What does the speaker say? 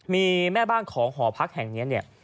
มีแม่บ้านของหอพักแห่งนี้เนี่ย